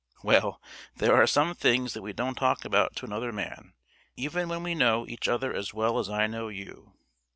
Well, there are some things that we don't talk about to another man, even when we know each other as well as I know you.